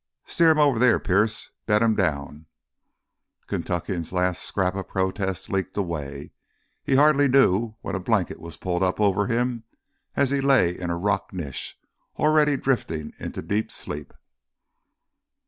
"Steer him over there, Perse ... bed him down." The Kentuckian's last scrap of protest leaked away. He hardly knew when a blanket was pulled up over him as he lay in a rock niche, already drifting into deep sleep.